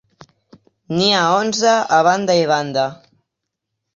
N'hi ha onze a banda i banda.